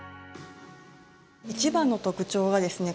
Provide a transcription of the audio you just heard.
一番の特徴はですね